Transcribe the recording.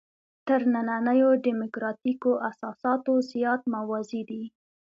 تر نننیو دیموکراتیکو اساساتو زیات موازي دي.